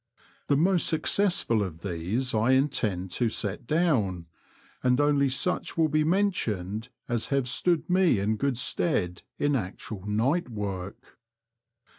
The most successful of these I intend to set down, and only such will be mentioned as have stood me in good stead in actual night work.